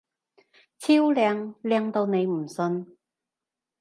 超靚！靚到你唔信！